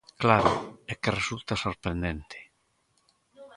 Claro, é que resulta sorprendente.